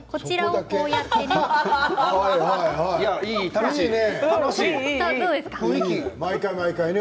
楽しいね。